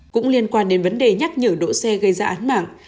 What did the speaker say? cũng liên quan đến vấn đề nhắc nhở độ xe gây ra án mạng